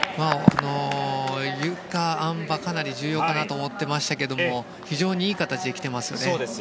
ゆか、あん馬かなり重要かなと思っていましたが非常にいい形で来ていますよね。